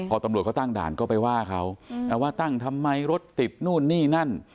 พอตำรวจเขาตั้งด่านก็ไปว่าเขาว่าตั้งทำไมรถติดนู่นนี่นั่น